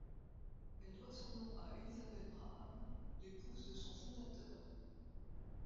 Elle doit son nom à Elisabeth Braham, l'épouse de son fondateur.